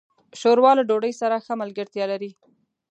ښوروا له ډوډۍ سره ښه ملګرتیا لري.